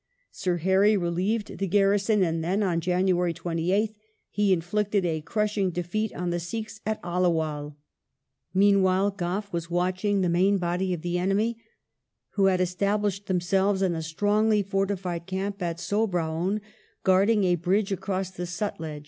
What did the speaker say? Sir Harry relieved the gamson, and then, on January 28th, he inflicted a crushing defeat on the Sikhs at Aliwal. Meanwhile, Gough w^as watching the main body of the enemy, who had established themselves in a strongly fortified camp at Sobraon, guarding a bridge across the Sutlej